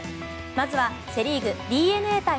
まずはセ・リーグＤｅＮＡ対